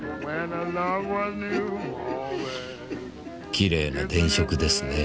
きれいな電飾ですねえ。